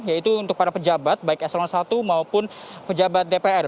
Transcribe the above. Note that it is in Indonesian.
yaitu untuk para pejabat baik eselon i maupun pejabat dpr